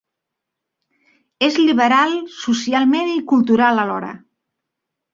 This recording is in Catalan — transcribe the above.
És liberal socialment i cultural alhora.